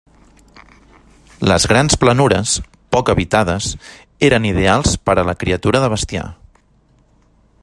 Les grans planures, poc habitades, era ideals per a la criatura de bestiar.